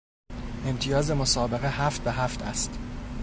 امتیاز مسابقه هفت به هفت است.